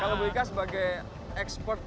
kalau ibu ika sebagai expert